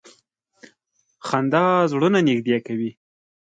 • خندا زړونه نږدې کوي.